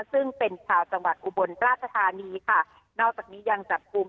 ซึ่งเป็นชาวจังหวัดอุบลราชธานีค่ะนอกจากนี้ยังจับกลุ่ม